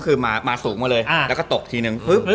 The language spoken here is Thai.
คือมาสูงมาเลยแล้วก็ตกทีนึง